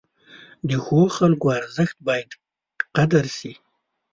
د ښو خلکو ارزښت باید قدر شي.